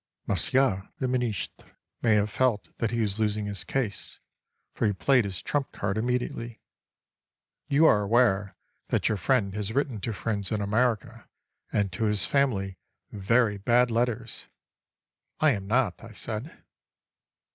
Monsieur le Ministre may have felt that he was losing his case, for he played his trump card immediately: "You are aware that your friend has written to friends in America and to his family very bad letters." "I am not," I said.